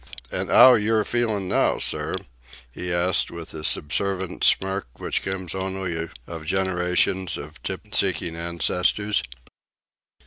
"An' 'ow yer feelin' now, sir?" he asked, with the subservient smirk which comes only of generations of tip seeking ancestors.